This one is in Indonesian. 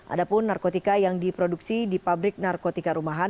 ada pun narkotika yang diproduksi di pabrik narkotika rumahan